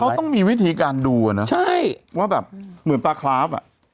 เขาต้องมีวิธีการดูอ่ะนะใช่ว่าแบบเหมือนปลาคราฟอ่ะ